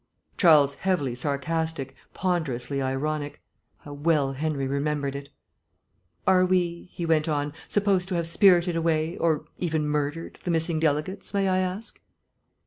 Charles heavily sarcastic, ponderously ironic how well Henry remembered it. "Are we," he went on, "supposed to have spirited away, or even murdered, the missing delegates, may I ask?"